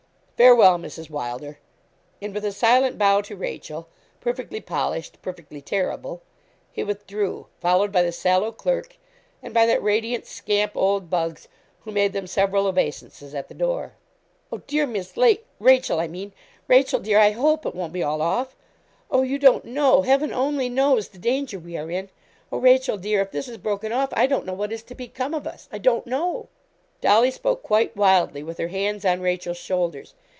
Farewell, Mrs. Wylder.' And with a silent bow to Rachel perfectly polished, perfectly terrible he withdrew, followed by the sallow clerk, and by that radiant scamp, old Buggs, who made them several obeisances at the door. 'Oh, dear Miss Lake Rachel, I mean Rachel, dear, I hope it won't be all off. Oh, you don't know Heaven only knows the danger we are in. Oh, Rachel, dear, if this is broken off, I don't know what is to become of us I don't know.' Dolly spoke quite wildly, with her hands on Rachel's shoulders.